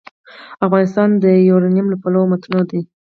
افغانستان د یورانیم له پلوه متنوع دی.